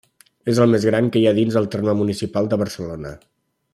És el més gran que hi ha dins el terme municipal de Barcelona.